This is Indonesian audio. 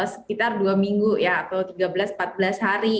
sekitar dua minggu ya atau tiga belas empat belas hari